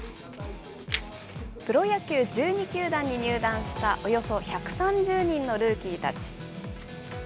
プロ野球１２球団に入団した、およそ１３０人のルーキーたち。